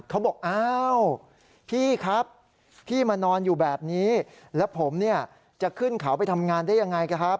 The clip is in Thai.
เขาบอกพี่ครับพี่มานอนอยู่แบบนี้แล้วผมจะขึ้นเขาไปทำงานได้ยังไง